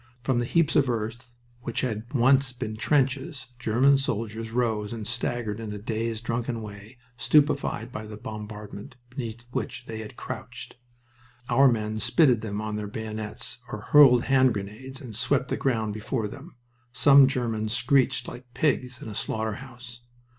From the heaps of earth which had once been trenches German soldiers rose and staggered in a dazed, drunken way, stupefied by the bombardment beneath which they had crouched. Our men spitted them on their bayonets or hurled hand grenades, and swept the ground before them. Some Germans screeched like pigs in a slaughter house.